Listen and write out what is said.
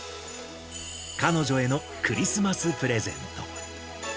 彼女へのクリスマスプレゼン